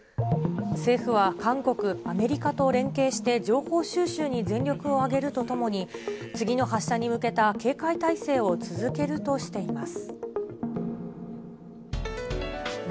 政府は韓国、アメリカと連携して情報収集に全力を挙げるとともに、次の発射に向けた警戒態勢を続けるとしています。